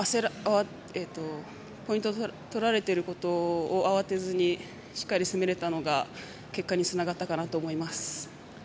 ポイントを取られていることを慌てずにしっかり攻められたのが結果につながったかなと思います。